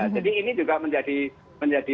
jadi ini juga menjadi